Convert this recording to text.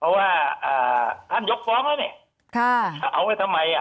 เพราะว่าท่านยกฟ้องแล้วนี่เอาไว้ทำไมอ่ะ